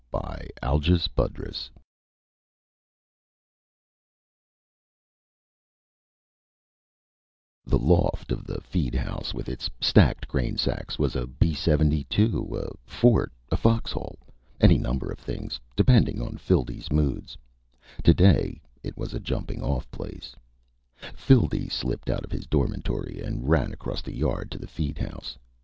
_] The loft of the feed house, with its stacked grainsacks, was a B 72, a fort, a foxhole any number of things, depending on Phildee's moods. Today it was a jumping off place. Phildee slipped out of his dormitory and ran across the yard to the feed house.